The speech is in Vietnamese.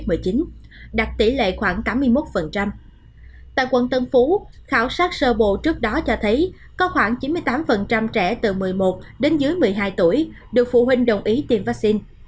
tại quận tám mươi một tân phú khảo sát sơ bộ trước đó cho thấy có khoảng chín mươi tám trẻ từ một mươi một đến dưới một mươi hai tuổi được phụ huynh đồng ý tiêm vaccine